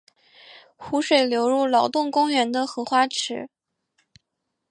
湖水流入劳动公园的荷花池。